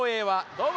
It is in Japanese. どうも。